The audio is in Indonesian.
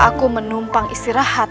aku menumpang istirahat